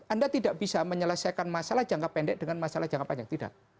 anda tidak bisa menyelesaikan masalah jangka pendek dengan masalah jangka panjang tidak